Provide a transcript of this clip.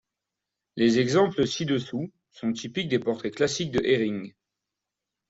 Les exemples ci-dessous sont typiques des portraits classiques de Hering.